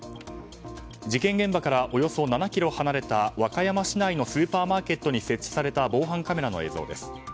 事件現場からおよそ７ｋｍ離れた和歌山市内のスーパーマーケットに設置された防犯カメラの映像です。